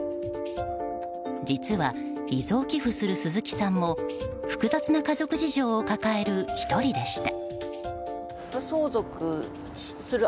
実は遺贈寄付する鈴木さんも複雑な家族事情を抱える１人でした。